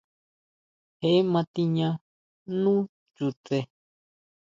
Je ma tiña nú chutse.